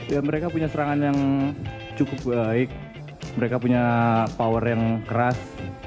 ya mereka punya serangan yang cukup baik mereka punya power yang keras